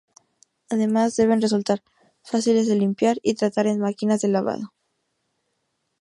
Además deben resultar fáciles de limpiar y tratar en máquinas de lavado.